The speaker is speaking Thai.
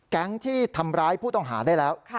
แก๊งที่ทำร้ายผู้ต่อหาได้แล้ว